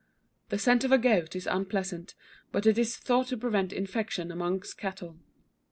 The scent of a goat is unpleasant, but it is thought to prevent infection amongst cattle.